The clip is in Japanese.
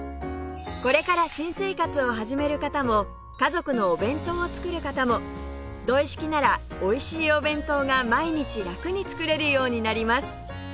これから新生活を始める方も家族のお弁当を作る方も土井式ならおいしいお弁当が毎日楽に作れるようになります